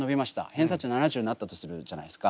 偏差値７０になったとするじゃないですか。